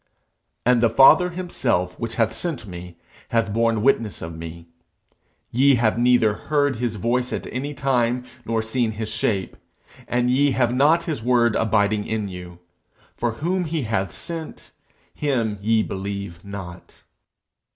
'And the Father himself which hath sent me, hath borne witness of me. Ye have neither heard his voice at any time, nor seen his shape. And ye have not his word abiding in you: for whom he hath sent, him ye believe not.'